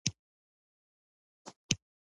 زه د یوټیوب د تعلیم چینلونه ګورم.